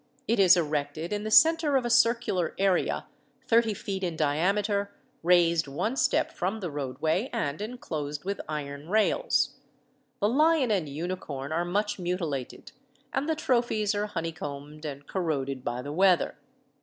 It is erected in the centre of a circular area, thirty feet in diameter, raised one step from the roadway, and enclosed with iron rails. The lion and unicorn are much mutilated, and the trophies are honeycombed and corroded by the weather.